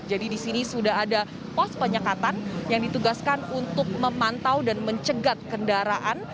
jadi di sini sudah ada pos penyekatan yang ditugaskan untuk memantau dan mencegat kendaraan